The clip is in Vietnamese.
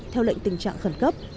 theo lệnh tình trạng khẩn cấp